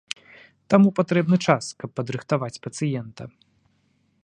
Таму патрэбны час, каб падрыхтаваць пацыента.